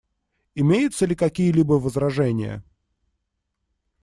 Имеются ли какие-либо возражения?